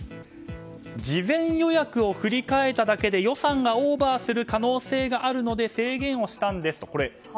事前予約を振り替えただけで予算がオーバーする可能性があるので制限をしたんですと。